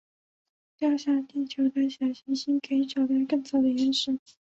从掉下地球的小行星可以找出更早的岩石。